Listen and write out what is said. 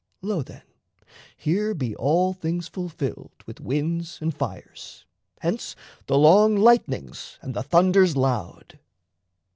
Lo, then, Here be all things fulfilled with winds and fires Hence the long lightnings and the thunders loud.